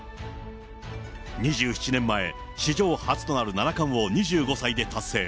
２７年前、史上初となる七冠を２５歳で達成。